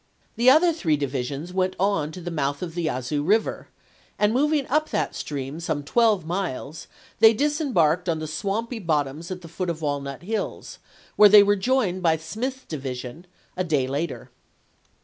The other three divisions went on to the mouth of the Yazoo River, and moving up that stream some twelve miles, they disembarked on the swampy bottoms at the foot of Walnut Hills, where they were joined by Smith's division a day later.